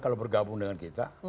kalau bergabung dengan kita